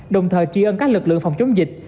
đồng thời tri ân các lực lượng phòng chống dịch